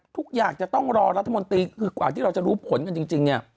ทุกอย่างจะต้องรอรัฐมนตรีคือกว่าที่เราจะรู้ผลกันจริงเนี่ย